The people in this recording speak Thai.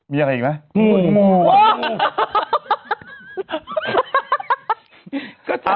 มีอย่างไรอีกไหมงู